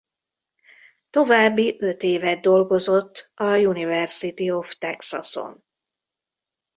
További öt évet dolgozott a University of Texason.